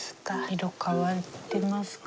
色変わってますか？